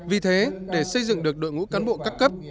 vì thế để xây dựng được đội ngũ cán bộ các cấp